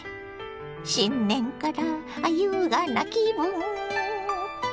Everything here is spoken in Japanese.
新年から優雅な気分。